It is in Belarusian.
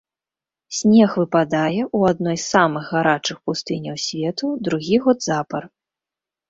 Снег выпадае ў адной з самых гарачых пустыняў свету другі год запар.